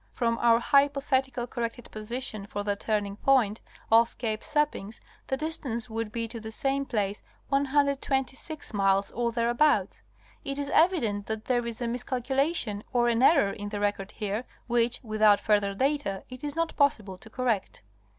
From our hypothetically corrected position for the turning point, off Cape Seppings, the distance would be to the same place 126 miles, or thereabouts. It is evident that there is a miscalculation, or an error in the record here, which, without further data, it is not possible to correct.